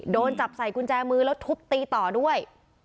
โดนจับใส่กุญแจมือแล้วทุบตีต่อด้วย